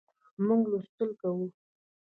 موږ لوستل کوو